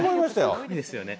すごいですよね。